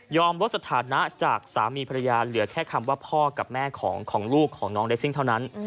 ลดสถานะจากสามีภรรยาเหลือแค่คำว่าพ่อกับแม่ของลูกของน้องเลสซิ่งเท่านั้น